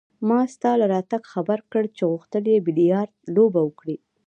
ما ستا له راتګه خبر کړ چې غوښتل يې بیلیارډ لوبه وکړي.